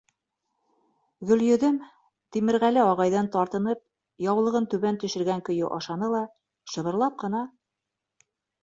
Гөлйөҙөм, Тимерғәле ағайҙан тартынып, яулығын түбән төшөргән көйә ашаны ла, шыбырлап ҡына: